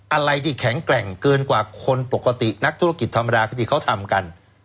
อะไรที่แข็งแกร่งเกินกว่าคนปกตินักธุรกิจธรรมดาที่เขาทำกัน